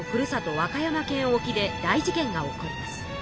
和歌山県おきで大事件が起こります。